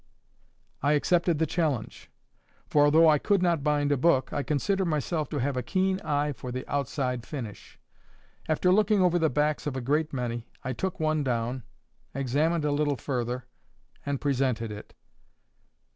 I accepted the challenge; for although I could not bind a book, I considered myself to have a keen eye for the outside finish. After looking over the backs of a great many, I took one down, examined a little further, and presented it.